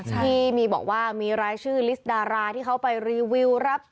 ที่มีบอกว่ามีรายชื่อลิสต์ดาราที่เขาไปรีวิวรับ